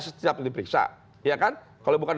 setidaknya diperiksa iya kan kalau bukan